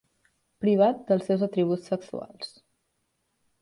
Privat dels seus atributs sexuals.